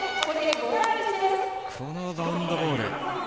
このバウンドボール。